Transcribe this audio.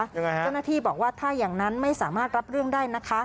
ยังไงฮะเจ้าหน้าที่บอกว่าถ้าอย่างนั้นไม่สามารถรับเรื่องได้นะคะ